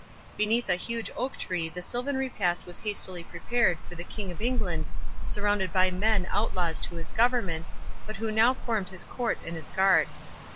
Beneath a huge oak tree the silvan repast was hastily prepared for the King of England, surrounded by men outlaws to his government, but who now formed his court and his guard.